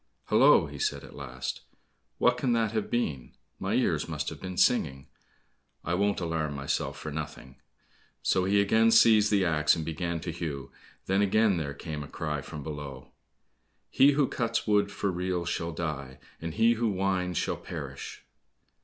"Hollo," he said at last, "what can that have been; my ears must have been singing, I won't alarm myself for nothing." So he again seized the axe, and began to hew, then again there came a cry from below: "He who cuts wood for reels shall die, And he who winds, shall perish."